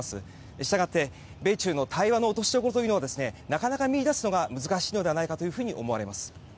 したがって米中の対話の落としどころを見いだすのは難しいのではないかと思われます。